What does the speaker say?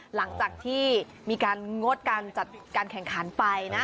หลังจากที่มีการงดการจัดการแข่งขันไปนะ